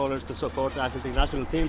untuk mendukung tim nasional islandia